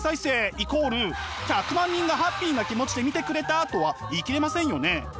イコール１００万人がハッピーな気持ちで見てくれたとは言い切れませんよね。